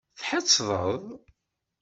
Tḥettdeḍ?